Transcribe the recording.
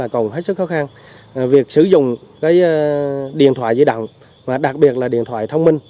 còn hết sức khó khăn việc sử dụng cái điện thoại di động và đặc biệt là điện thoại thông minh